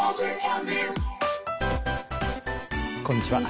こんにちは。